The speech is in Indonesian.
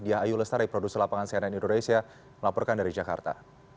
diayu lestari produser lapangan cnn indonesia melaporkan dari jakarta